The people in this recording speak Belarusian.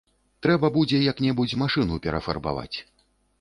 Трэба будзе як-небудзь машыну перафарбаваць.